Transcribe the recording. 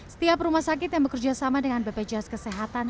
setiap rumah sakit yang bekerjasama dengan bpjs kesehatan